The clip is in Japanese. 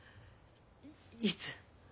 いつ？